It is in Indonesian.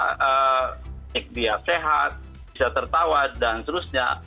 terutama mungkin secara sehat bisa tertawa dan seterusnya